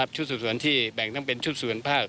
สุดสวนที่แบ่งทั้งเป็นชุดสวนภรรณ์ภรรณ์